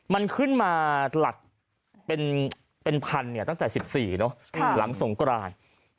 มันขึ้นมาหลักเป็นพันตั้งแต่๑๔หลังสงกราน